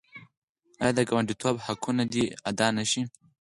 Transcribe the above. آیا د ګاونډیتوب حقونه دې ادا نشي؟